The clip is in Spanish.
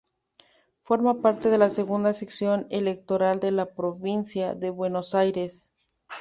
Forma parte de la Segunda Sección Electoral de la Provincia de Buenos Aires.